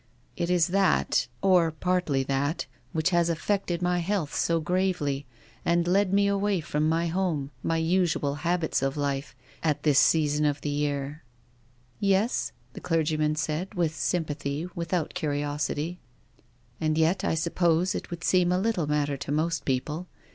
It is that, or partly that, which has affected my health so gravely, and led me away Irom my home, my usual habits of life, at this sea son of the year. " THE RAINBOW. 23 "Yes? "the clergyman said, with sympathy, without curiosity. " And yet, I suppose it would seem a little mat ter to most people.